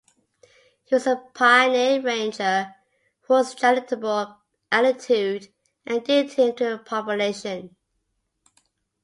He was a pioneer rancher whose charitable attitude endeared him to the population.